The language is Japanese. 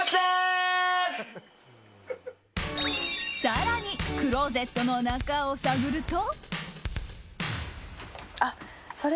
更にクローゼットの中を探ると。